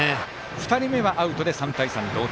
２人目はアウトで３対３の同点。